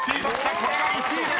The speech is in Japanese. これが１位です］